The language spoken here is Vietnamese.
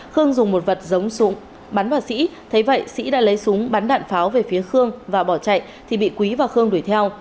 khương dùng một vật giống súng bắn vào sĩ thấy vậy sĩ đã lấy súng bắn đạn pháo về phía khương và bỏ chạy thì bị quý và khương đuổi theo